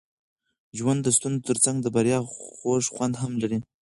ژوند د ستونزو ترڅنګ د بریا خوږ خوند هم لري.